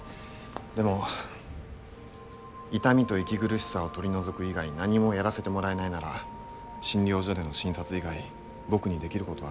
でも痛みと息苦しさを取り除く以外何もやらせてもらえないなら診療所での診察以外僕にできることはありません。